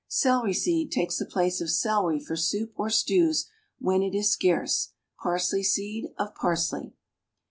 Celery seed takes the place of celery for soup or stews when it is scarce; parsley seed of parsley.